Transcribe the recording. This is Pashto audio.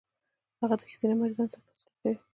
هغه د ښځينه مريضانو سره ښه سلوک کوي.